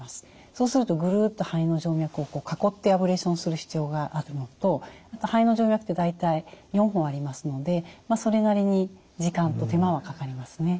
そうするとぐるっと肺の静脈を囲ってアブレーションをする必要があるのとあと肺の静脈大体４本ありますのでそれなりに時間と手間はかかりますね。